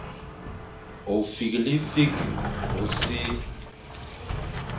Ôfîghefîkh ô sir.